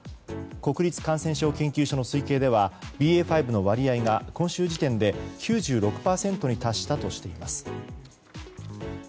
国立感染症研究所の推計ではＢＡ．５の割合が今週時点で９６％に達したとしています。